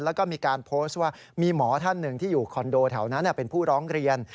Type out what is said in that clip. แล้วก็มีการโพสต์ว่ามีหมอท่านหนึ่งที่อยู่คอนโดแถวนั้นเป็นผู้ร้องเรียน